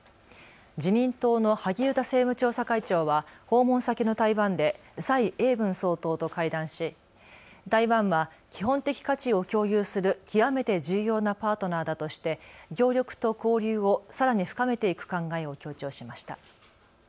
自民党の萩生田政務調査会長は訪問先の台湾で蔡英文総統と会談し台湾は基本的価値を共有する極めて重要なパートナーだとして協力と交流をさらに深めていく考えを強調しました。